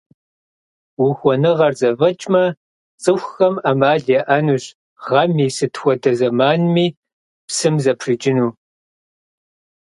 Ухуэныгъэр зэфӀэкӀмэ, цӀыхухэм Ӏэмал яӀэнущ гъэм и сыт хуэдэ зэманми псым зэпрыкӀыну.